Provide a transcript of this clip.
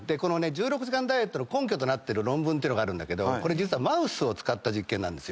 １６時間ダイエットの根拠となってる論文っていうのがあるんだけどこれ実はマウスを使った実験。